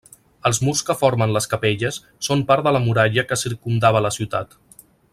Els murs que formen les capelles són part de la muralla que circumdava la ciutat.